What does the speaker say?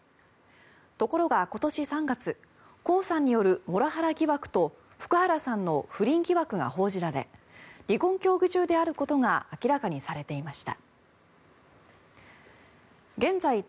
ところが、今年３月コウさんによるモラハラ疑惑と福原さんの不倫疑惑が報じられ離婚協議中であることが明らかにされていました。